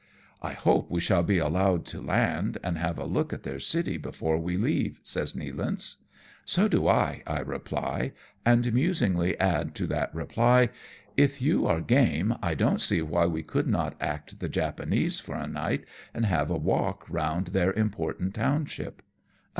■' I hope we shall be allowed to land, and have a look at their city before we leave," says Nealance. " So do I," I reply ; and musingly add to that reply, " If you are game, I don't see why we could not act the NE A LANCE AND I VISIT THE SHORE. 155 Japanese for a niglitj and have a walk round their important township."